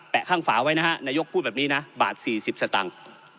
แปะข้างฝาไว้นะฮะนายกพูดแบบนี้นะบาทสี่สิบสัตว์ตังค์